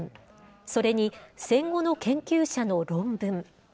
それに戦後の研究者の論文。